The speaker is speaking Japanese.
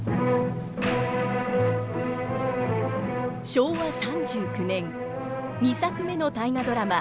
昭和３９年２作目の大河ドラマ